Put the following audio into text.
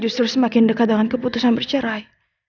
justru semakin dekat dengan keputusan bercerai